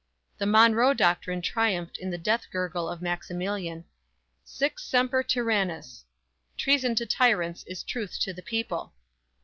The "Monroe Doctrine" triumphed in the death gurgle of Maximilian. Sic semper tyrannis! Treason to tyrants is truth to the people!